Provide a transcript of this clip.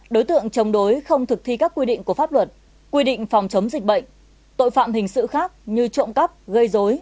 đối tượng chống đối không thực thi các quy định của pháp luật quy định phòng chống dịch bệnh tội phạm hình sự khác như trộm cắp gây dối